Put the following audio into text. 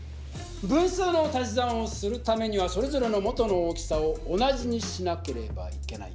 分数の足し算をするためにはそれぞれの元の大きさを同じにしなければいけない。